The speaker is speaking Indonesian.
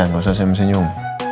gak usah saya bersenyum